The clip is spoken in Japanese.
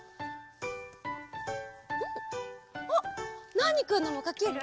あっナーニくんのもかける？